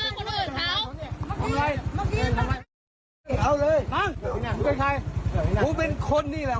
ล๊อคพี่พี่ล๊อคเลยล๊อคเลยล๊อคเลยล๊อคเออปลาเก่งมาก